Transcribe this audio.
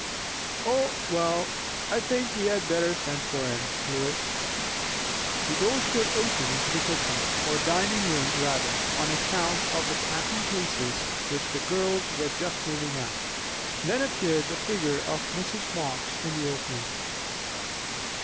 "Oh! Well. I think we had better send for him, Lois." The door stood open into the kitchen, or dining room rather, on account of the packing cases which the girls were just moving out; then appeared the figure of Mrs. Marx in the opening.